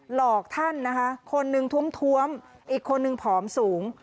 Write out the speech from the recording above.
หลอกท่านนะคะคนหนึ่งท้วมอีกคนนึงผอมสูง